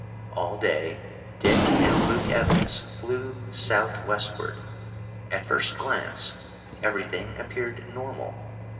All day Dick and Luke Evans flew southwestward. At first glance, everything appeared normal.